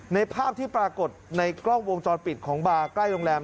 ภาพที่ปรากฏในกล้องวงจรปิดของบาร์ใกล้โรงแรม